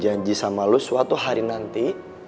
janji sama lo suatu hari nanti